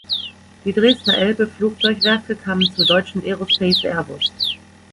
Die Dresdner Elbe Flugzeugwerke kamen zur Deutschen Aerospace Airbus.